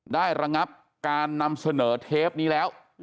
ระงับการนำเสนอเทปนี้แล้ว